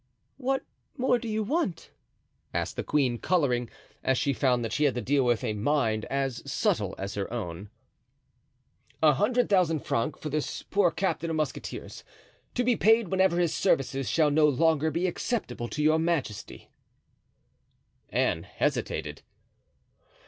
"What more do you want?" asked the queen, coloring, as she found that she had to deal with a mind as subtle as her own. "A hundred thousand francs for this poor captain of musketeers, to be paid whenever his services shall no longer be acceptable to your majesty." Anne hesitated.